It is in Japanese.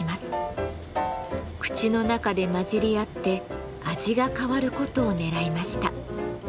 口の中で混じり合って味が変わることをねらいました。